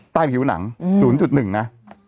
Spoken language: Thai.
ใต้ผิวหนัง๐๑นะ